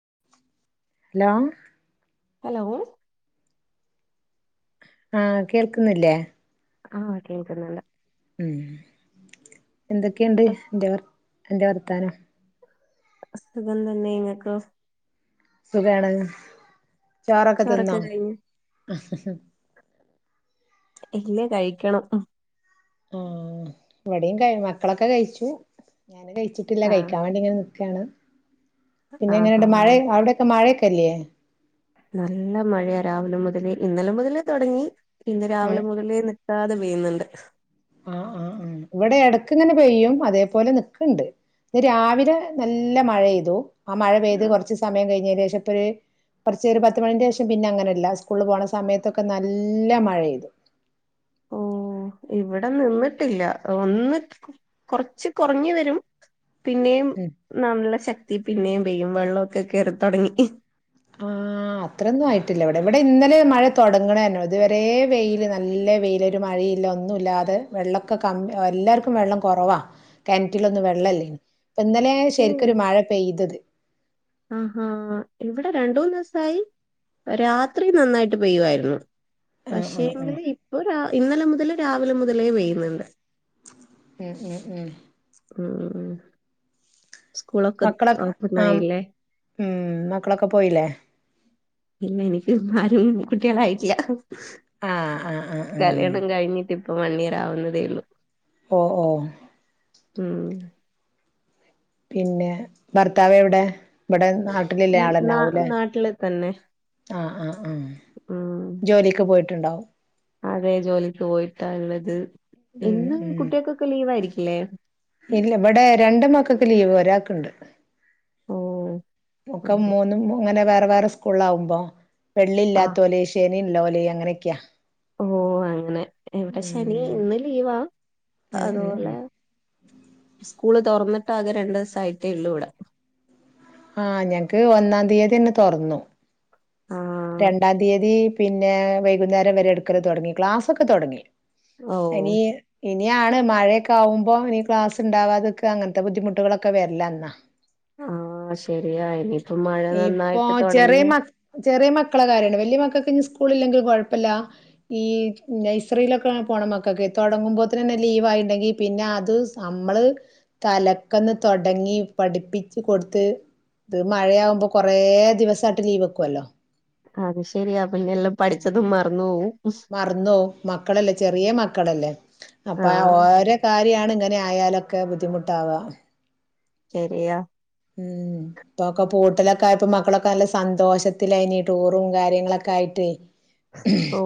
[unintelligible] Hello? ആഹ് കേൾക്കുന്നില്ലേ? ആഹ് കേക്കുന്നല്ല. ഉം എന്തൊക്കെണ്ട് ഇവിടെ അന്റെ അന്റെ വർത്താനം? സുഖം തന്നെ ങ്ങക്ക് സുഖാണ്. ചോറൊക്കെ തിന്നോ? ഇല്ലേ കഴിക്കണം ആ ഇവിടെയും ക മക്കളൊക്കെ കഴിച്ചു ഞാനൻ കഴിച്ചിട്ടില്ല ആഹ് കഴിക്കാൻ വേണ്ടി ഇങ്ങനെ നി ക്കാണ് പിന്നെ ആഹാ എങ്ങനെയണ്ട് മഴ അവിടെക്കെ മഴയൊക്കെല്ലേ നല്ല മഴയാ രാവിലെ മുതലേ ഇന്നലെ മുതലേ തുടങ്ങി ഇന്ന് രാവിലെ മുതലേ കത്താതെ പെയ്യുന്നുണ്ട് ആഹ് ആഹ് ആഹ് ഇവിടെ ഇടക്ക ഇങ്ങനെ പെയ്യും അതേപോലെ നക്കണ്ട് ഇ രാവിലെ നല്ല മഴ പെയ്തു ആ മഴ പെയ്ത് ആഹ് കുറച്ച സമയം ഏകദേശം ഇപ്പൊ ഒരു കുറച്ച് ഒരു പത്ത് മണിന്റെ ശേഷം പിന്നെ അങ്ങനെയല്ല സ്കൂള് പോണ സമയത്തൊക്കെ നല്ല മഴെയ്തു ഓ ഇവിടെ നിന്നിട്ടില്ല ഒന്ന് കൊറച്ച് കുറങ്ങി വരും പിന്നെയും ഉം നമ്മുടെ ശക്തി പിന്നെയും പെയ്യും വെള്ളമൊക്കെ കയറി തുടങ്ങി ആഹ ആ അത്രൊന്നുംയിട്ടില്ല ഇവിടെ ഇവിടെ ഇന്നലെ മഴ തുടങ്ങണന്നോ ഇതുവരെ വെയിൽ നല്ല വെയിലൊരു മഴ ല്ല ഒന്നും ഇല്ലാതെ വെള്ളൊക്കെ ക എല്ലാവർക്കും വെള്ളം കുറവാ കണറ്റിലൊന്നും വെള്ളല്ലേ ഇപ്പൊ ഇന്നലെ ഓഹ് ശരിക്കരു മഴ പെയ്തത് ആഹാ ഇവിടെ രണ്ട മൂന്ന് ദിവസായി രാത്രി നന്നായിട്ട് പെയ്യുമായിരുന്നു ആഹ് ആഹ് ആഹ് പക്ഷേങ്കില് ഇപ്പൊ ഇന്നലെ മുതൽ രാവിലെ മുതൽ ഉം ഉം ഉം ഉം ഉം ഉം മക്കളൊക്കെ ആ ഉം മക്കളൊക്കെ പോയില്ലേ ഇല്ല എനിക്ക് ആരും കുട്ടികളായില്ല ആഹ് ആഹ് ആഹ് ആഹ് കല്യാണം കഴിഞ്ഞിട്ട് ഇപ്പ വണ്ണിയറാവുന്നതേള്ളൂ ഓ ഓ ഉം പിന്നെ ഭർത്താവ് എവിടെ ഇവിടെ നാട്ടിലല്ല ഉം, നാ ആളന്നാവൂലേ നാട്ടില് തന്നെ ആഹ് ആഹ് ആഹ ഉം ജോലിയൊക്കെ പോയിട്ടുണ്ടാവും അതെ ജോലിക്ക് പോയിട്ട ഉള്ളത് ഉം എന്നും ഉം കുട്ടികൾക്കൊക്കെ ലീവ് ആയിരിക്കില്ലേ ഇല്ല ഇവിടെ രണ്ട മക്കൾക്ക് ലീവ് ഒരാക്കുണ്ട് ഓഹ് മക്കെ മൂന്നും അങ്ങനെ വേറെ വേറെ സ്കൂള ആവുമ്പോ വെള്ളി ഇല്ലാത്തോലെ ശനിയ ഇല്ലലെ അങ്ങനെയൊക്കെയാ ഓ അങ്ങനെ എവിടെ ശനി ഉം ഇന്ന് ലീവാ ആ ഉം ഉം അതുപോലെ ഉം സ്കൂള് തുറന്നിട്ടാകെ രണ്ട ദിവസ ആയിത്തേ ഉള്ളു ഇവിട ആഹ ഞങ്ങക്ക് ഒന്നാം തീയതി തന്നെ തുറന്നു ആഹ് രണ്ടാം തീയതി പിന്നെ വൈകുന്നേരം വരെ എടുക്കത് തുടങ്ങി ക്ലാസ്ക്കെ തുടങ്ങി ഓ ഇനി ഇനിയാണ് മഴയൊക്കെ ആകുമ്പോ ഇനി ക്ലാസ് ഉണ്ടാവാതൊക്കെ അങ്ങനത്തെ ബുദ്ധിമുട്ടുകളൊക്കെ വരില്ല എന്നാ ആഹ ശരിയാ ഇനിയിപ്പ മഴ ഇപ്പൊ നന്നായിട്ട് ചെറിയ തുടങ്ങിയാ മക് ചെറിയ മക്കളെ കാര്യമാണ് വലിയ മക്കൾക്ക ഇ സ്കൂളല്ലെങ്കിൽ കുഴപ്പില്ല ഈ നഴ്സറിയിലൊക്കെ പോണം തുടങ്ങുമ്പോ ലീവണ്ടെങ്ക പിന്നെ അത് നമ്മള് തലക്ക ഇങ്ങി പഠിപ്പിച്ചച്ച് കൊടുത്ത് ഇത് മഴയാവുമ്പോ കൊറേ ദിവസമായിട്ട് ലീവ് വെക്കുവല്ലോ അത് ശെരിയാ പിന്നെ എല്ലാം പഠിച്ചതും മറന്നു പോവും മറന്നോ മക്കളല്ലേ ചെറിയ മക്കളല്ലേ അപ്പൊ ആഹ് ഓര കാര്യാണ് ഇങ്ങനെ ആയാലൊക്കെ ബുദ്ധിമുട്ടാവാ ശരിയാ ഉം ഇപ്പൊക്കെ കൂട്ടലൊക്കെ ആയപ്പോ മക്കളൊക്കെ നല്ല സന്തോഷത്തിലതി ടൂറും കാര്യങ്ങളൊക്കെ ആയി ട്ട ഓ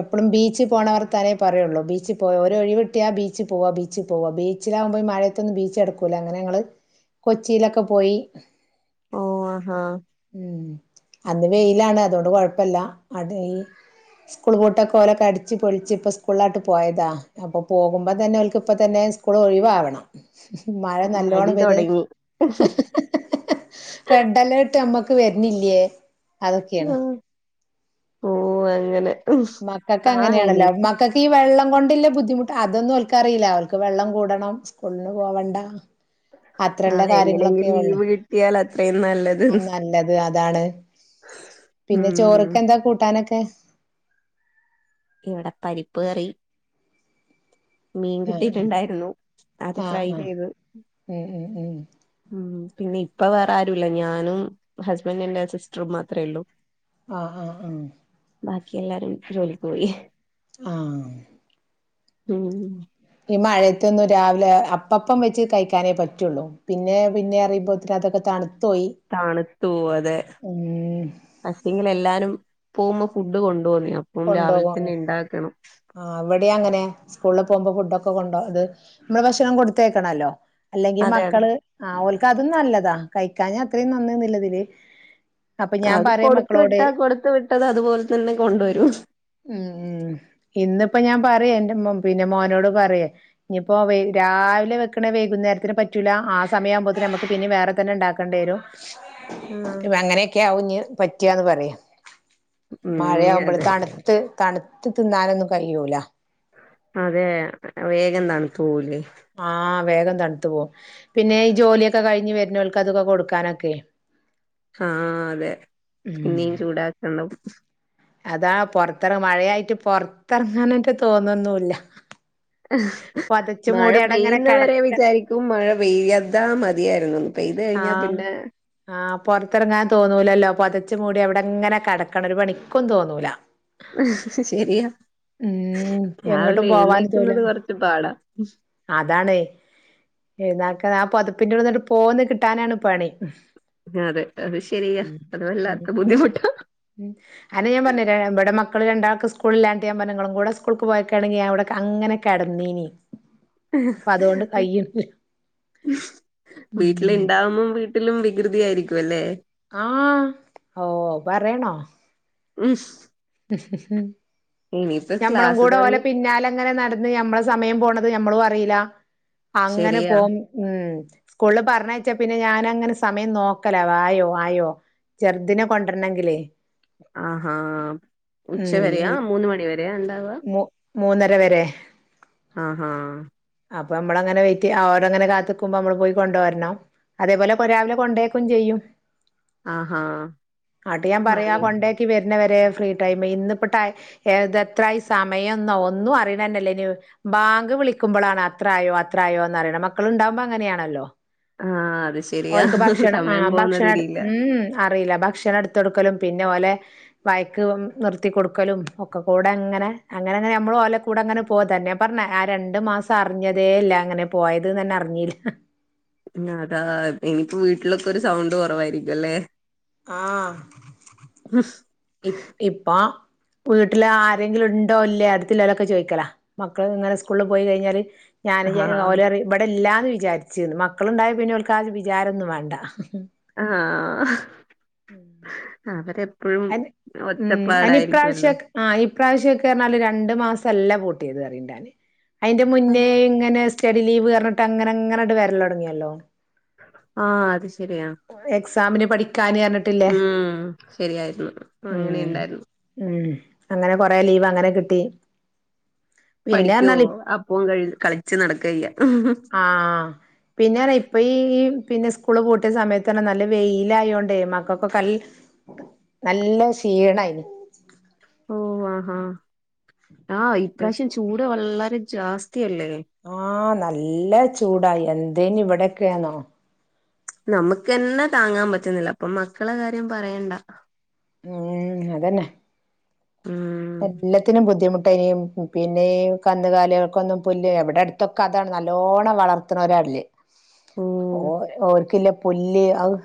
എപ്പോഴും ബീച്ച് പോണവർത്താനെ പറയുള്ളൂ ബീച്ചിൽ പോയാ ഓരോ ഒഴിവിട്ടിയ ആ ബീച്ചിൽ പോവാ ബീച്ചിൽ പോവാ ബീ ബീച്ചിലാകുമ്പോ ഈ മഴയത്തൊന്നും ബീച്ച് അടക്കൂല അങ്ങനെ ഞങ്ങള് കൊച്ചിയിലൊക്കെ പോയി ഓ ആഹാ ഉം അന്ന് വെയിലാണ് അതോണ്ട് കൊഴപ്പല്ല അടെ ഈ [inaudible] സ്ക്ലൂൾ പൂട്ടൊക്കെ ഓലൊക്കെ അടിച്ച് പൊളിച്ച് ഇപ്പ സ്കൂളിലാട്ട് പോയതാ അപ്പോപോകുമ്പ തന്നെ അവൽക്ക് ഇപ്പ തന്നെ ഇപ്പളും ഒഴിവാവണം ഉഹും മഴ മടി നല്ലോണം പെയ്തത് തൊടങ്ങി ഹ ഹ ഹ ഹ ഹ ഹ റെഡ് അലേർട്ട് ഞ്ഞമ്മ ക്ക്‌ വര്ണില്യേ അതൊക്കേണ് ഓ അങ്ങനെ മക്കക്ക് ആഹ് ഇനി അങ്ങനെയാണല്ലോ മക്കക്ക് ഈ വെള്ളം കൊണ്ടില്ലെ ബുദ്ധിമുട്ട് അതൊന്നും ഓൽക്കറീല്ല ഓൽക്ക് വെള്ളം കൂടണം സ്കൂളിന് പോവണ്ട അത്രള്ള ആഹ് കാര്യങ്ങളൊക്കെ എങ്ങനെങ്കിലും ഒള്ളു ലീവ് കിട്ടിയാൽ അത്രയും നല്ലത് ആ നല്ലത് അ അതാണ് പിന്നെ ഉം ചോറ്ക്കെന്താ കൂട്ടാനൊക്കെ ഇവിടെ പരിപ്പ്കറി മീൻ ആ കിട്ടിയിട്ടുണ്ടായിരുന്നു അത് ആ ഫ്രൈ ആ ചെയ്ത് ഉം ഉം ഉം ഉം പിന്നെ ഇപ്പ വേറെ ആരൂല്ല ഞാനും ഹസ്ബൻഡിന്റെ സിസ്റ്ററും മാത്രേള്ളൂ ആ ആ ആ ബാക്കി എല്ലാരും ജോലിക്ക് പോയി ആഹ് ഉം ഈ മഴയത്തൊന്നും രാവിലെ അപ്പപ്പം വെച്ച് കഴിക്കാനേ പറ്റൊള്ളു പിന്നെ പിന്നെ ന്നറിഞ്ഞിരിക്കുമ്പോത്തിന് അതൊക്കെ തണു തണുത്ത് പോവും അതെ ഉം പക്ഷെങ്കിലെല്ലാരും പോകുമ്പോ ഫുഡ്ഡ് കൊണ്ട് തോന്നി അപ്പം രാവിലെത്തന്നെ ഇണ്ടാക്കണം എവിടെ അങ്ങനെ സ്കൂളില് പോകുമ്പൊ ഫുഡ്ഡൊക്കെ കൊണ്ടോ ഇത് നമ്മള് ഭക്ഷണം കൊടുത്തയക്കണല്ലോ അല്ലെങ്കി അതെ അതെ മക്കള് ആ ഓൽക്കതും നല്ലതാ കഴിക്കാഞ്ഞാ അത്രയും നന്ന്ന്നിള്ളതില് അത് കൊടുത്തു വിട്ടാ കൊടുത്ത് വിട്ടത്‌ അതുപോലെ തന്നെ കൊണ്ടുവരും ഉം ഉം ഇന്നിപ്പോ ഞാൻ പറയേ എന്റെ മോ പിന്നെ മോനോട് പറയെ ഇനിയിപ്പോ വൈ രാവിലെ വെക്കണേ വൈകുന്നേരത്തിന് പറ്റൂല ആ സമയാവുമ്പോത്തിന് നമുക്ക് പിന്നെ വേറെതന്നെ ഉണ്ടാക്കേണ്ടി വരും ആ അങ്ങനെയൊക്കെയാവുംഞ്ഞ് പറ്റ്ആന്ന് പറയാ ഉം മഴയാവുമ്പൊള് അതെ തണുത്ത് തണുത്ത് തിന്നാനൊന്നും കഴിയൂല അതെ വേഗം തണ്ത്ത് പോവൂലെ തണുത്ത്പോവും പിന്നെ ഈ ജോലിയൊക്കെ കഴിഞ്ഞ് വര്നോൽക്ക് അതൊക്കെ കൊടുക്കാനൊക്കെയെ ആഹ് അതെ ഉം പിന്നെയും ചൂടാക്ക്ണ്ടാവും അതാ പൊറത്തെറ മഴയായിട്ട് പൊറത്തെറങ്ങാനേറ്റെ തോന്നൊന്നുല്ല പൊതച്ചു മഴ മൂടി അവിടെങ്ങനെ പെയ്യുന്നവരെ കെടക്ക വിചാരിക്കും മഴ പെയ്യയ്താ മതിയാരുന്നെന്ന് ആഹ് ആ പൊറത്തെറങ്ങാൻ തോന്നൂലല്ലോ പൊതച്ച് മൂടി അവിടങ്ങനെ കെടക്കണം ഒരു പണിക്കും തോന്നൂല ഹ്ഹ് ഹ് ശെരിയാ ഉം എങ്ങ്ട്ടും പോവാനും [unintelligible] കൊറച്ച് പാടാ അതാണ് എഴ്ന്നേക്കാ ആ പൊതപ്പിന്റുള്ള്ന്ന്ണ്ട് പോന്ന് കിട്ടാനാണ് പണി അതെ അത്ശെരിയാ ഉം അത് ഉം വല്ലാത്ത ബുദ്ധിമുട്ടാ ഉം അനെ ഞാൻ പറഞ്ഞില്ലെ ഇവടം മക്കള് രണ്ടാൾക്ക് സ്ക്ലുളില്ലാഞ്ട്ട് ഞാപറഞ്ഞു ഇങ്ങളുംകൂടെ സ്ക്ലൂൾക്ക് പോയേക്കാണെങ്കി ഞാൻ ഇവിടെ അങ്ങനെ കെടന്നീനി അപ്പൊ അതുകൊണ്ട് ഹ്-ഹ്-ഹ് കയ്യ്ണില്ല ഹ്. ഉം വീട്ടിലിണ്ടാവുമ്പം വീട്ടിലും വികൃതിയായിരിക്കും ല്ലേ ആഹ് ഓ പറയണോ [unintelligible] ഹ്. ഹ്. ഹ് ഇനിയിപ്പ ഞമ്മളും ക്ലാസ് കൂടെ ഓലെ തൊടങ്ങി പിന്നാലിങ്ങനെ നടന്ന് ഞമ്മളെ സമയം പോണത് ഞമ്മളും അറീല്ല അങ്ങനെ ശരിയാ പോവും ഉം സ്ക്ലൂളില് പറഞ്ഞയച്ചാ പിന്നെ ഞാനങ്ങനെ സമയം നോക്കലാ ആയോ ആയോ ചെറ്തിനെ കൊണ്ടര്ണെങ്കിലേ ആ ഹാ ഉച്ചവരെയാ ഈ മൂന്ന്മണിവരെയാ ഇണ്ടാവാ മൂ മൂന്നര വരെ ആഹാ അപ്പൊ നമ്മളങ്ങനെ വൈറ്റൈ അവരങ്ങനെ കാത്ത്ക്കുമ്പൊ നമ്മള് പോയി കൊണ്ടോരണം അതേപോലെപ്പൊ രാവിലെ കൊണ്ടേക്കും ചെയ്യും ആഹാ ആട്ട് ഞാൻ പറയാ മഴേ കൊണ്ടേയാക്കി വര്ണവരെ ടൈമായി ഇന്നിപ്പോ ടൈ ഏത് എത്രായി സമയന്നോ ഒന്നും അറീണേന്നെല്ലേനി ബാങ്ക് വിളി ക്കുമ്പളാണ് അത്ര ആയോ അത്രായോന്ന് അറിയണെ മക്കള്ണ്ടാവുമ്പൊ അങ്ങനെയാണല്ലോ ആഹ് അത് ശരിയാ ഓല്ക്ക് ഭക്ഷണം ആ സമയം ഭക്ഷണട് പോവുന്നതിരിയില്ല ഉം അറീല്ല ഭക്ഷണം എടുത്തൊട്ക്കലും പിന്നെ ഓലെ വയക്കും നിർത്തിക്കൊടുക്കലും ഒക്കെക്കൂടങ്ങനെ അങ്ങനെ അങ്ങനെ നമ്മലും ഓലകൂടങ്ങനെ പോകും തന്നെ പറഞ്ഞ ആ രണ്ടു മാ പറഞ്ഞേതേല്ല അങ്ങനെ പോയതന്നെന്നെ അറിഞ്ഞീല്ല അതാ ഇനിയിപ്പോ വീട്ടിലൊക്കൊരു സൗണ്ട് കൊറവായിരിക്കു അല്ലേ ആഹ് ഇ ഇപ്പൊ വീട്ടിലാരെങ്കില്ണ്ടോ ഇല്ലേ അടുത്തില്ലേലൊക്കെ ചോയ്ക്കാല മക്കള്ങ്ങനെ സ്കൂളില് പോയി കഴിഞ്ഞാല് ഞാന്ലെ ആഹാ ഓല്റിം ഇവിടെ ഇല്ലാന്ന് വിചാരിച്ച്ന്ന് മക്കള്ണ്ടായ പിന്നോൽക്കാ വിചാരൊന്നും വാണ്ട ആഹ് ഉം അവരെപ്പഴും അയിന് ഉം ഒച്ചപ്പാടായിരിക്കുവല്ലോ അയിനിപ്രാവശ്യോക് ആ ഇ ഇപ്രാവശ്യക്കെറ്ഞ്ഞാല് രണ്ടു മാസല്ല പൂട്ടിയത്റിണ്ട് ഞാന് അയിന്റെ മുന്നേ ഇങ്ങനെ സ്റ്റഡിലീവ്ർഞ്ഞ്ട്ടങ്ങനെ അങ്ങനെണ്ട് വരല്ലോട്ങ്ങിയല്ലോ ആഹ് അത് ശരിയാ എക്സാമിന് പഠിക്കാന് പറഞ്ഞിട്ട്ല്ലേ ഉം ശരിയായിരുന്നു അങ്ങനെ ഉം ഇണ്ടായിരുന്നു ഉം അങ്ങനെ കൊറെ ലീവ് അങ്ങനെ കിട്ടി പിന്നെ പഠിക്ക്യോ പറഞ്ഞാല് അപ്പം കഴ് കളിച്ച് നടക്കെയ്യ പിന്നെറിയ ഇപ്പയീ പിന്നെ സ്കൂള് പൂട്ടിയ സമയത്ത്റ്ഞ്ഞാ നല്ല വെയിലായോണ്ടേ മക്കൊക്കെ നല്ല നല്ല ക്ഷീണായി ഓ ആ ഹാ ആ ഇപ്രാവശ്യം ചൂട് വളരെ ജാസ് ആ നല്ല ചൂടാ എന്തേന് ഇവിടെക്കെന്നോ നമുക്ക്ന്നെ താങ്ങാൻ പറ്റ്ണില്ല അപ്പൊ മക്കളെ കാര്യം പറയണ്ട ഉം അതന്നെ ഉം എല്ലത്തിനും ബുദ്ധിമു ട്ടനും പിന്നെ ഈ [unintelligible] പിന്നെ ഈ കന്ന്കാല്യാൾക്കൊന്നും പുല്ല് ഇവിടെ അടുത്തൊക്കെ അതാണ് നല്ലോണം വളർത്ത്ണോലാള്ളെ ഓ ഓല്ക്ക്ല്ലെ പുല്ല് അഹ്‌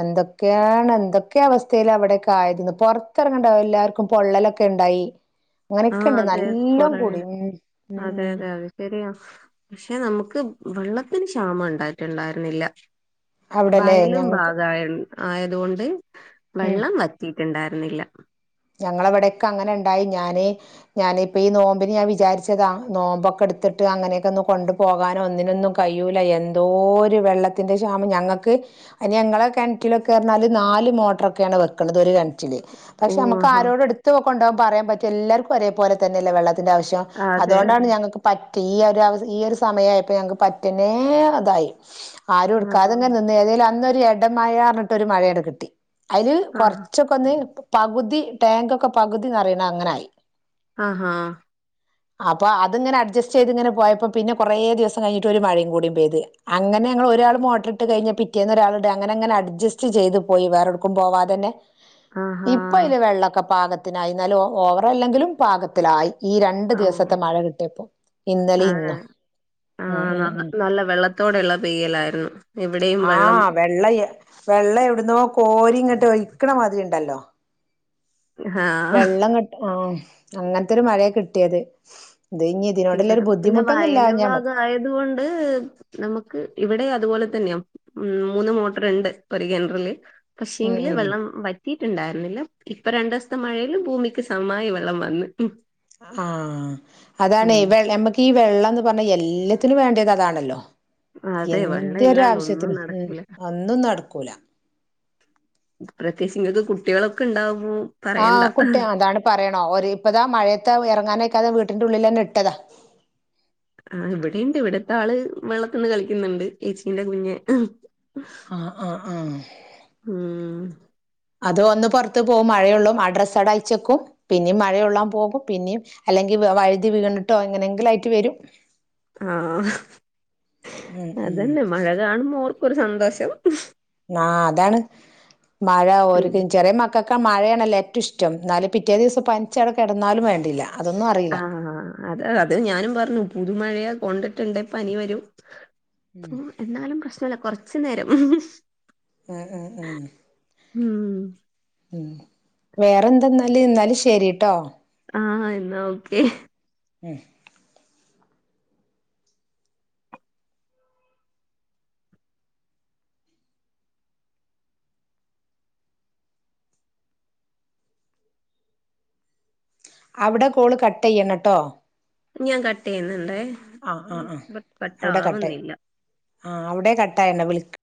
എന്തൊക്കെയാണ് എന്തൊക്കെ അവസ്ഥേലാവ്ടെ ക്കായത് പൊറത്തേറങ്ങേനണ്ട എല്ലാര്ക്കും പൊള്ളലൊക്കെണ്ടായി ആ അതെ കൊറേ ഉം അതെ ഉം അതെ അത് ശെരിയാ പക്ഷെ നമുക്ക് വെള്ളത്തിന് ക്ഷാമം ഉണ്ടായിട്ട്ണ്ടായര്ന്നില്ല അവിടല്ലേ വയലും ഞങ്ങക്ക് ഭാഗായി ആയതോണ്ട് വെള്ളം വറ്റിട്ട്ണ്ടായിരുന്നില്ല ഞങ്ങളെവിടെയൊക്കെ അങ്ങനെണ്ടായി ഞാന് ഞാനിപ്പ ഈ നോമ്പിന് ഞാൻ വിചാരിച്ചതാ നോമ്പൊക്കെട്ത്ത് ട്ട് അങ്ങനെയൊക്കൊന്ന് കൊണ്ടു പോകാനോ ഒന്നിനൊന്നും കയ്യൂല്ല എന്തോരു വെള്ളത്തിൻ്റെ ക്ഷാമം ഞങ്ങക്ക് അയിന് ഞങ്ങളെ കിണറ്റിലൊക്കെ പറഞ്ഞാല് നാല് മോട്ടറൊക്കെയാണ് വെക്ക്ണത് ഒരു കിണറ്റില് ഓ പക്ഷെ നമുക്ക് ആഹാ ആരോടും എട്ത്ത് കൊണ്ടോകാൻ പറയാൻ പറ്റ എല്ലാര്ക്കും ഒരേപോല തന്നെയല്ലേ വെള്ള ത്തിന്റെ ആവശ്യം അതെ അതോണ്ടാണ് അതെ ഞങ്ങക്ക് പറ്റ ഈ ഒരു അ ഈ ഒരു സമയയപ്പോ ഞങ്ങക്ക് പറ്റനെ ഇതായി ആരും ആഹാ ഇട്ക്കാത്ങ്ങെ നിന്ന് ഏതേലും അന്നൊരു എടമഴാറിഞ്ഞിട്ട് ഒരു മഴാണ്ട് കിട്ടി അയില് ആഹാ കൊറച്ചൊക്കെ ഒന്ന് പകുതി ടാകൊക്കെ പകുതിന്നറിണ അങ്ങനായി ആ ഹാ അപ്പൊ അത്ങ്ങനെ അഡ്ജസ്റ്റ് ചെയ്ത് ഇങ്ങനെ പോയപ്പോ പിന്നെ കുറേ ദിവസം കഴിഞ്ഞിട്ട് ഒരു മഴിം കൂടിം പെയ്ത് അങ്ങനെ നെ ഒരാൾ മോട്ടറ്ട്ട് കഴിഞ്ഞാ പിറ്റേന്നോരാള് ഇടാ അങ്ങനെ അങ്ങനെ അഡ്ജസ്റ്റ് ചെയ്ത് പോയി വേറെടുക്കും പോവാതെന്നെ ആഹാ ഇപ്പയില് വെള്ളോക്കെ പാകത്തിനായി ന്നാലും ഓവർ അല്ലെങ്കിലും പാകത്തിലായി ഈ രണ്ടു ഓ ദിവസത്തെ മഴ കിട്ടിയപ്പോ ഇന്നലെ അതെ ഇന്നും ഉം ഉം ഉം ത്തോടെയള്ള പെയ്യലായിരുന്നു ഇവിടെയും വെള്ളം ആ വെള്ളയ വെള്ളം എവിടുന്നുോ കോരി ഇങ്ങോട്ട ഒയിക്കണ് മാതിരി ഉണ്ടല്ലോ ആഹ് വെള്ളം കെ ആ അങ്ങനത്തെരു മഴയ കിട്ടിയത് ഇത് ഇനി ഇതിനോടുള്ളൊരു ഇവിടം പിന്നെ ബുദ്ധിമുട്ടൊന്നുമില്ല വയലും ഞാൻ മതി. ഭാഗം ആയത് കൊണ്ട് നമുക്ക് ഇവിടെ അതുപോലെ അ തന്നെയ ഉ മൂന്ന് മോട്ടർ ഉണ്ട് ഒരു കിണറിൽ ഉം പക്ഷേെങ്കില് ഉം വെള്ളം വറ്റിയിട്ടുണ്ടായിരുന്നില്ല ഇപ്പൊ രണ്ട ദിവസത്തെ മഴയിലും ഭൂമിക്ക് സമ്മായി വെള്ളം വന്ന്മ് ആ അതാണ് നമക്ക് വെള്ളം എന്ന് പറഞ്ഞാ എല്ലാത്തിനും വേണ്ടത് അതാണല്ലോ അതെ വെള്ളം ഇല്ലാണ്ട് ഒന്നും എന്തൊരാവശ്യത്തിന് ഉ നടക്കൂല അന്നും നടക്കൂല പ്രത്യേകിച്ച് ഇങ്ങക്ക് കുട്ടികളൊക്കെ ഉണ്ടാവും ആ കുട്ടി അതാണ് പറയണോ ഒരു ഇപ്പതാ മഴയത്തെ ഇറങ്ങാനൊക്കാതെ ട്ടിന്റെ ഉള്ളിൽന്നെ ഇട്ടതാ ആ ഇവിടെുണ്ട് ഇവിടത്തെ ആള് വെള്ളത്തിണ് കളിക്കുന്നുണ്ട് ചേച്ചീറെ കുഞ് ആ ആ ആ ഉം അത് വന്ന് പുറത്ത് പോകും മഴയള്ളൂ അഡ്രസ് അയച്ചെക്കും പിന്നേും മഴയള്ളാൻ പോകും പിന്നും അല്ലെങ്കിൽ വഴുതി വീണ്ടിട്ടോ എങ്ങനെ എങ്കിലയിട്ട് വരും ആ, ഉം ഉം അതന്നെ മഴ കാണുമ്പോൾ ഓർക്കൊരു സന്തോഷം. ആ അതാണ് മഴ പിന്നെ ഒരിക്കും ചെറിയ മക്ക മഴയാണല്ലേ ഏറ്റവും ഇഷ്ടം എന്നാല പിറ്റേ ദിവസം പനിച്ചവിടെ കിടന്നാലും വേണ്ടില്ല. അതൊന്നും ആ, അറിയില്ല അത് അത് ഞാനും പറഞ്ഞു പുതുമഴയാ കൊണ്ടിട്ടുണ്ടേ പനി വരും. ഉം ഓ എന്നാലും പ്രശ്നല്ല കൊറച്ചു നേരം ഉം, ഉം ഉം ഉം, വേറെന്തെന്നാല്. എന്നാലും ശരി കേട്ടോ. ആ, എന്നാ ഓക്കെ ഉം അവിടെ കോള് കട്ട് ചെയ്യണേട്ടോ ഞാൻ കട്ട് ചെയ്യുന്നുണ്ടേ ആ, ആ, ആ,. അവിടെ കട്ടായി, കട്ടാവുന്നില്ല ആ അവിടെ കട്ടായി, വിള